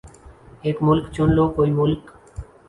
ایک مُلک چُن لو کوئی مُلک